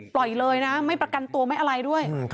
ปล่อยเลยนะไม่ประกันตัวไม่อะไรด้วย